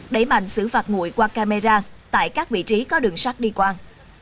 đẩy mạnh xử phạt ngụy qua camera tại các vị trí có đường sát đi quan